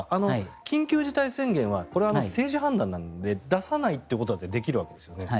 緊急事態宣言は政治判断なので出さないってことだってできるわけですよね？